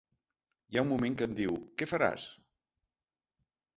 Hi ha un moment que em diu: ‘Què faràs?’